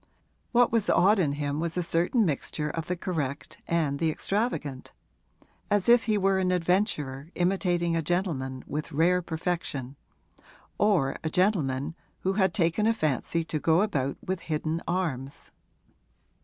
What was odd in him was a certain mixture of the correct and the extravagant: as if he were an adventurer imitating a gentleman with rare perfection or a gentleman who had taken a fancy to go about with hidden arms.